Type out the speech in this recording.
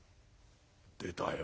「出たよ。